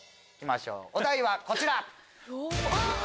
お題はこちら。